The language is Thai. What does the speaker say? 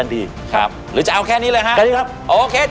โอ้โห